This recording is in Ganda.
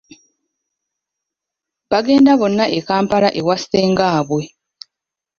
Baagenda bonna e Kampala ewa ssenga bwe.